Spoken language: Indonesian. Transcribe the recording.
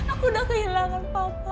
aku sudah kehilangan papa